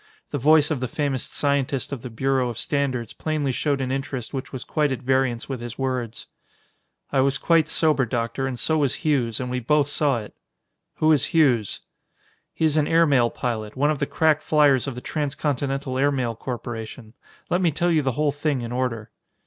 The voice of the famous scientist of the Bureau of Standards plainly showed an interest which was quite at variance with his words. "I was quite sober, Doctor, and so was Hughes, and we both saw it." "Who is Hughes?" "He is an air mail pilot, one of the crack fliers of the Transcontinental Airmail Corporation. Let me tell you the whole thing in order."